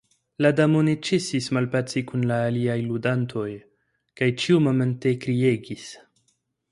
La Damo ne ĉesis malpaci kun la aliaj ludantoj kaj ĉiumomente kriegis.